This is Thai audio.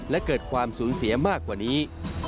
และเกิดความสูญเสียมากกว่านี้